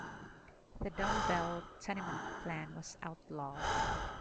The Dumb-bell tenement plan was outlawed.